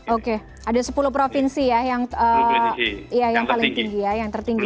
oke ada sepuluh provinsi ya yang paling tinggi